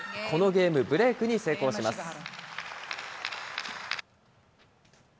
このゲーム、ブレークに成功します。